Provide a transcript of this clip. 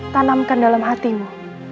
tanamkan dalam hatimu